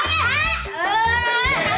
enggak ada apa apa